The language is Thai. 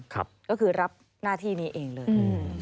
ก็คือรับหน้าที่นี้เองเลย